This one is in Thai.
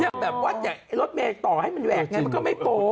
อย่างแบบว่ารถเมย์ต่อให้มันแหวะอย่างนั้นมันก็ไม่โปร